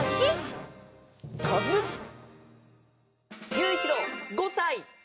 ゆういちろう５さい！